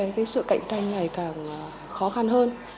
cái sự cạnh tranh này càng khó khăn hơn